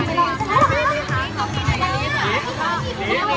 คาดสมัครนั้นอีกขึ้น